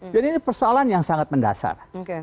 jadi ini persoalan yang sangat mendasar